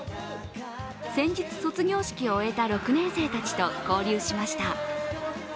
先日、卒業式を終えた６年生たちと交流しました。